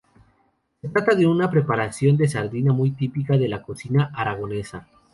Se trata de una preparación de sardina muy típica de la cocina aragonesa.